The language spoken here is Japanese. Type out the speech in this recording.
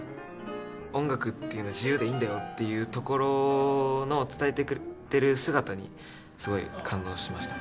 音楽っていうのは自由でいいんだよっていうところの伝えてくれてる姿にすごい感動しましたね。